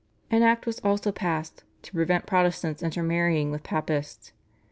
An Act was also passed "to prevent Protestants intermarrying with Papists."